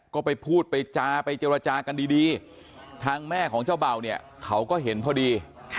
ก็ไปพูดไปจาไปเจรจากันดีทางแม่ของเจ้าเบ่าเนี่ยเขาก็เห็นพอดี